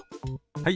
はい。